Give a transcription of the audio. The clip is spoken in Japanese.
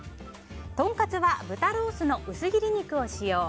とんかつは豚ロースの薄切り肉を使用。